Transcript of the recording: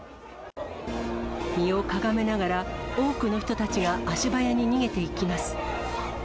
身をかがめながら、多くの人たちが足早に逃げていきます。